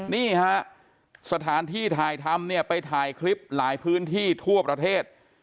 นี่ฮะสถานที่ถ่ายทำเนี่ยไปถ่ายคลิปหลายพื้นที่ทั่วประเทศ